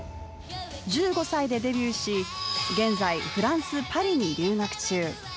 １５歳でデビューし、現在、フランス・パリに留学中。